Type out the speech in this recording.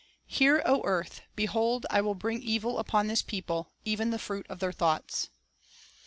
"Hear, O earth; behold, I will bring evil upon this people, even the fruit of their thoughts."